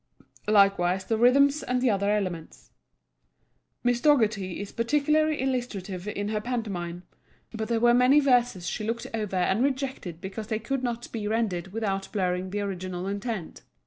Likewise the rhythms and the other elements. Miss Dougherty is particularly illustrative in her pantomime, but there were many verses she looked over and rejected because they could not be rendered without blurring the original intent.